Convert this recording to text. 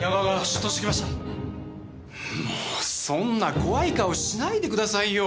もうそんな怖い顔しないでくださいよ。